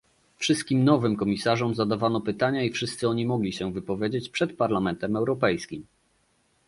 Wszystkim nowym komisarzom zadawano pytania i wszyscy oni mogli się wypowiedzieć przed Parlamentem Europejskim